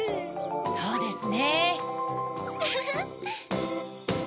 そうですね。